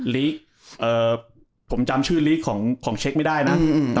ลิกเอ่อผมจำชื่อลิกของของเชคไม่ได้นะอืมอืม